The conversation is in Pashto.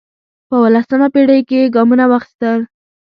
په اوولسمه پېړۍ کې یې ګامونه واخیستل